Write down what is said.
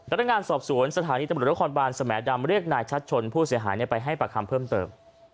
นักงานสอบสวนสถานีตำรวจนครบานสมดำเรียกนายชัดชนผู้เสียหายไปให้ปากคำเพิ่มเติม